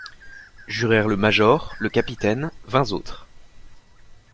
Jurèrent le major, le capitaine, vingt autres.